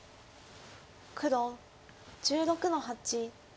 黒１６の八。